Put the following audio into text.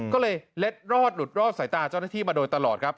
ก็เลยเล็ดรอดหลุดรอดสายตาเจ้าหน้าที่มาโดยตลอดครับ